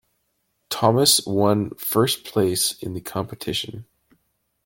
Thomas one first place in the competition.